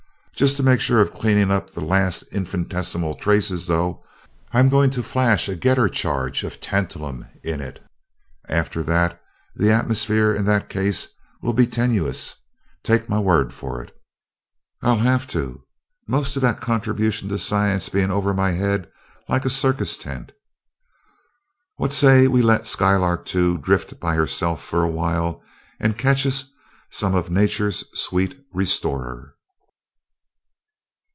Just to make sure of cleaning up the last infinitesimal traces, though, I'm going to flash a getter charge of tantalum in it. After that, the atmosphere in that case will be tenuous take my word for it." [A] J. Am. Chem. Soc. 51: 3, 750. "I'll have to; most of that contribution to science being over my head like a circus tent. What say we let Skylark Two drift by herself for a while, and catch us some of Nature's sweet restorer?"